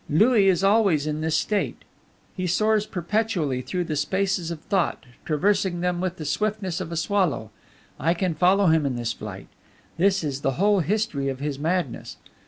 Louis is always in this state; he soars perpetually through the spaces of thought, traversing them with the swiftness of a swallow; I can follow him in his flight. This is the whole history of his madness.